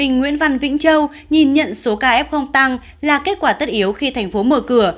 nguyễn văn vĩnh châu nhìn nhận số ca f tăng là kết quả tất yếu khi thành phố mở cửa